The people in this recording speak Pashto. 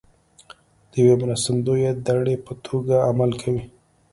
د یوې مرستندویه دړې په توګه عمل کوي